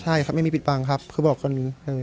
ใช่ครับไม่มีปิดบังครับคือบอกกันนี้เลย